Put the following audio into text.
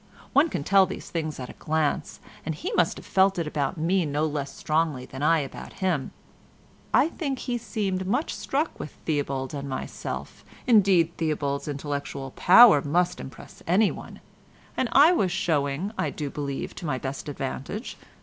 One can tell these things at a glance, and he must have felt it about me no less strongly than I about him. I think he seemed much struck with Theobald and myself—indeed, Theobald's intellectual power must impress any one, and I was showing, I do believe, to my best advantage.